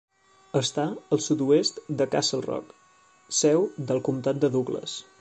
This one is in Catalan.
Està al sud-oest de Castle Rock, seu del comtat de Douglas.